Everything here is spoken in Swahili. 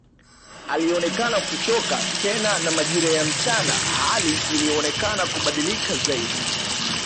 Alionekana kuchoka tena na majira ya mchana hali ikaonekana kubadilika zaidi